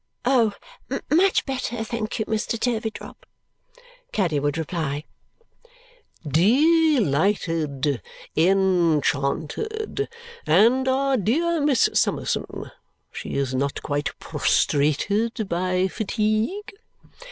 "Oh, much better, thank you, Mr. Turveydrop," Caddy would reply. "Delighted! Enchanted! And our dear Miss Summerson. She is not quite prostrated by fatigue?"